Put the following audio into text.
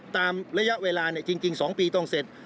ตามระยะเวลาจริง๒ปีต้องเสร็จ